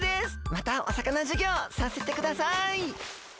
またお魚授業させてください。